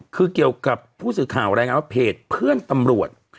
คือเกี่ยวกับผู้สื่อข่าวรายงานว่าเพจเพื่อนตำรวจ